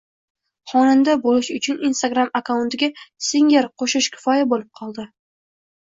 Xonanda bo'lish uchun instagram akkauntiga "singer" qo'shish kifoya bo'lib qoldi...